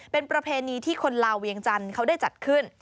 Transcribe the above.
เป็นประเพณีที่คนลาวเวียงจันทร์เขาได้จัดขึ้น